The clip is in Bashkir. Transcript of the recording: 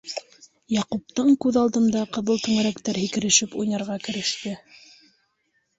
Яҡуптың күҙ алдында ҡыҙыл түңәрәктәр һикерешеп уйнарға кереште.